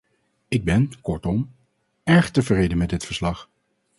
Ik ben, kortom, erg tevreden met dit verslag.